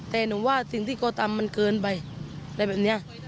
แต่หนูว่าสิ่งที่เขาทำมันเกินไปอะไรแบบนี้